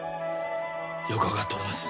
よく分かっております。